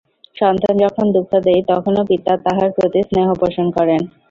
সন্তান যখন দুঃখ দেয়, তখনও পিতা তাহার প্রতি স্নেহ পোষণ করেন।